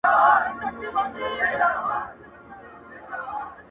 راسه چي له ځان سره ملنګ دي کم!.